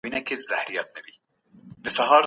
انسان د پيدايښت له پيله زده کړې ته اړ دی.